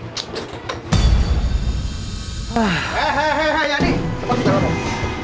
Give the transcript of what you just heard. eh eh eh ya nih apa apaan